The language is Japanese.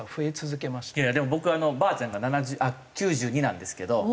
僕ばあちゃんが９２なんですけど。